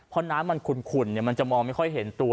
เพราะน้ำมันขุ่นมันจะมองไม่ค่อยเห็นตัว